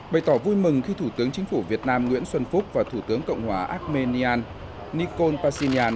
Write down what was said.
bày tỏ vui mừng khi thủ tướng chính phủ việt nam nguyễn xuân phúc và thủ tướng cộng hòa armenia nikol pashinyan